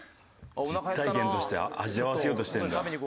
実体験として味わわせようとしてるんだ。